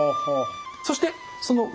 そしてその上。